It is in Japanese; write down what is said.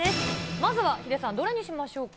まずは、皆さん、どれにしましょうか。